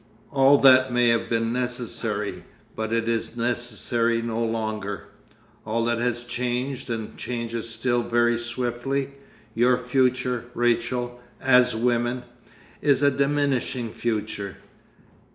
All that may have been necessary but it is necessary no longer. All that has changed and changes still very swiftly. Your future, Rachel, as women, is a diminishing future.